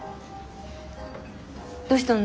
どうしたの？